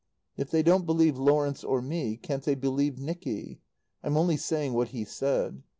If they don't believe Lawrence or me, can't they believe Nicky? I'm only saying what he said.